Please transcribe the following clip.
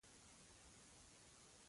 ته به کله راستنېږې خپل وطن ته